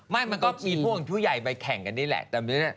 มันก็มีพวกผู้ใหญ่ไปแข่งกันนี่แหละ